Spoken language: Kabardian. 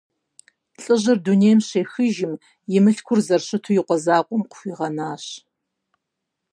Лӏыжьыр дунейм щехыжым, и мылъкур зэрыщыту и къуэ закъуэм къыхуигъэнащ.